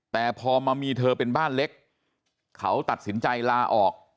แต่พอมามีเธอเป็นบ้านเล็กเขาตัดสินใจลาออก